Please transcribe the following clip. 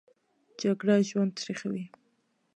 جګړه ژوند تریخوي